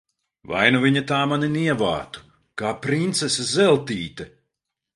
Vai nu viņa tā mani nievātu, kā princese Zeltīte!